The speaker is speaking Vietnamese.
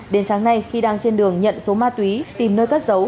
đến sáng nay khi đang trên đường nhận số ma túy tìm nơi cất giấu